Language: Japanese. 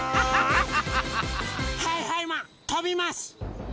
はいはいマンとびます！